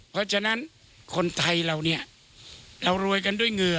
เพราะฉะนั้นคนไทยเราเนี่ยเรารวยกันด้วยเหงื่อ